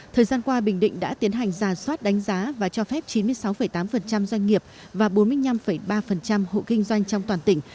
thời gian qua bình định đã tiến hành giả soát đánh giá và cho phép chín mươi sáu tám doanh nghiệp và bốn mươi năm ba hộ kinh doanh trong toàn tỉnh